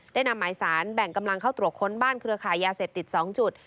นำหมายสารแบ่งกำลังเข้าตรวจค้นบ้านเครือขายยาเสพติด๒จุด